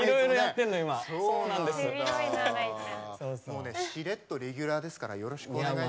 もうねしれっとレギュラーですからよろしくお願いします。